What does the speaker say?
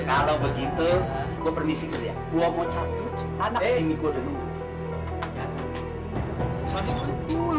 kalau begitu gue permisi gue mau cabut anak ini gue denger